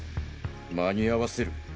間に合わせる。